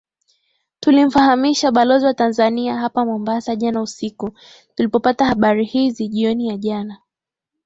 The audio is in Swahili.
tulimfahamisha balozi wa tanzania hapa mombasa jana usiku tulipopata habari hizi jioni ya jana